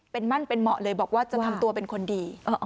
เป็นมั่นเป็นเหมาะเลยบอกว่าจะทำตัวเป็นคนดี